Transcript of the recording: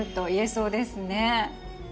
そうですね。